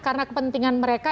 karena kepentingan mereka